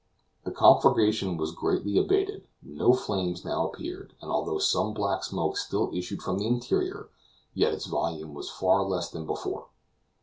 The conflagration was greatly abated; no flames now appeared, and although some black smoke still issued from the interior, yet its volume was far less than before.